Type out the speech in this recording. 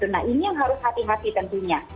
nah ini yang harus hati hati tentunya